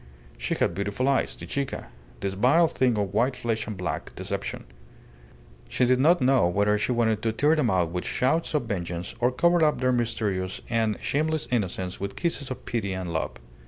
She had beautiful eyes the Chica this vile thing of white flesh and black deception. She did not know whether she wanted to tear them out with shouts of vengeance or cover up their mysterious and shameless innocence with kisses of pity and love.